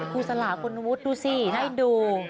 ครูสลาคนวุฒิดูสิให้ดู